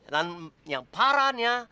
dan yang parahnya